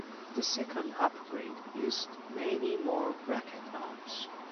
The second upgrade used many more bracket arms.